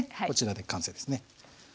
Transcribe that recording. こちらで完成ですね。